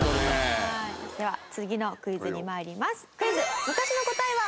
では次のクイズに参ります。